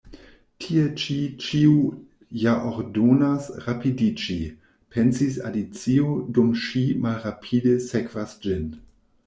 "Tie ĉi ĉiu ja ordonas rapidiĝi," pensis Alicio, dum ŝi malrapide sekvas ĝin.